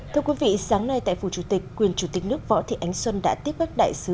thưa quý vị sáng nay tại phủ chủ tịch quyền chủ tịch nước võ thị ánh xuân đã tiếp các đại sứ